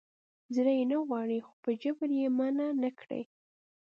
زړه یې نه غواړي خو په جبر یې منع نه کړي.